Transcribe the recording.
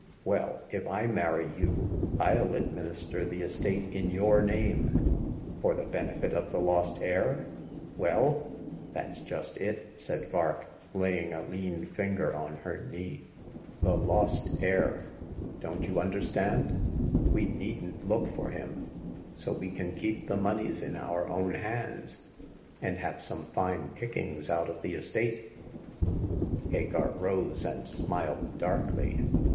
Well, if I marry you, FU administer the estate in your name "" For the benefit of the lost heir ? Well ?"" That's just it," said Vark, laying a lean finger on her knee —the lost heir. Don't you under stand ? We needn't look for him, so we can keep the moneys in our own hands, and have some fine pickings out of the estate." Hagar rose, and smiled darkly.